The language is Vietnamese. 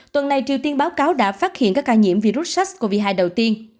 tuần này triều tiên báo cáo đã phát hiện các ca nhiễm virus sars cov hai đầu tiên